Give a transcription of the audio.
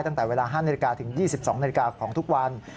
ตั้งแต่เวลา๕นาฬิกาถึง๒๒นาฬิกาของทุกวัน